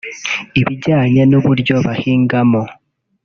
ibijyanye n’uburyo bahingamo